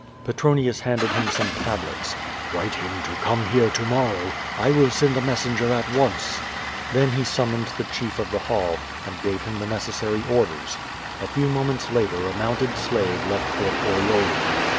Tetronius handed him some tablets. "Write him to come here to morrow, 1 will send a messenger at once." Then he summoned the chief of the hall, and gave him the necessary orders. A few moments later a mounted slave left for Corioli.